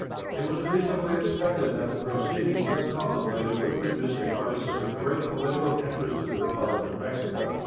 It was reasonably expected that the proceedings thus contemplated would produce a crisis of great political interest in the Republic of Mexico.